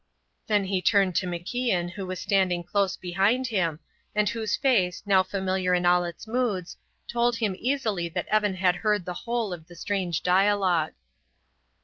Then he turned to MacIan who was standing close behind him, and whose face, now familiar in all its moods, told him easily that Evan had heard the whole of the strange dialogue.